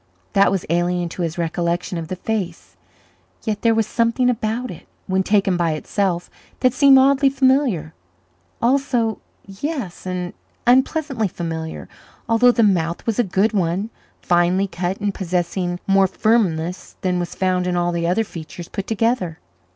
That was alien to his recollection of the face, yet there was something about it, when taken by itself, that seemed oddly familiar also yes, and unpleasantly familiar, although the mouth was a good one finely cut and possessing more firmness than was found in all the other features put together.